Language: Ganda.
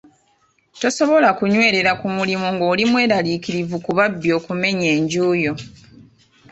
Tosobola kunywerera ku mulimu ng'oli mweraliikirivu ku babbi okumenya enju yo.